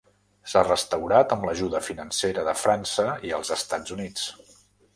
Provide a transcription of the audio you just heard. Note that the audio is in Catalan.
S'ha restaurat amb l'ajuda financera de França i els Estats Units.